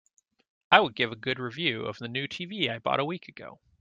I would give a good review of the new TV I bought a week ago.